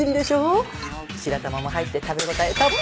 白玉も入って食べ応えたっ。